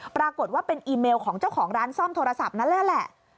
ปรากฏว่าเป็นอีเมลของเจ้าของร้านซ่อมโทรศัพท์นั่นแหละ